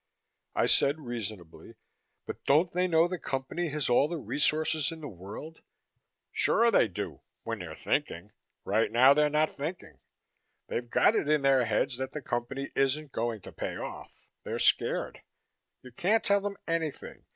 I said reasonably, "But don't they know the Company has all the resources in the world?" "Sure they do when they're thinking. Right now they're not thinking. They've got it in their heads that the Company isn't going to pay off. They're scared. You can't tell them anything.